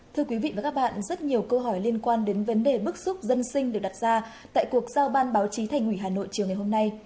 thưa quý vị và các bạn rất nhiều câu hỏi liên quan đến vấn đề bức xúc dân sinh được đặt ra tại cuộc giao ban báo chí thành ủy hà nội chiều ngày hôm nay